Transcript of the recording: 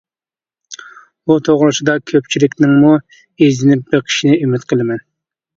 بۇ توغرىسىدا كۆپچىلىكنىڭمۇ ئىزدىنىپ بېقىشىنى ئۈمىد قىلىمەن.